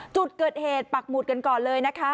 จุดเกิดเหตุปักหมุดกันก่อนเลยนะคะ